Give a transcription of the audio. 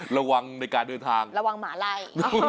ระวังในการเดินทางระวังหมาไล่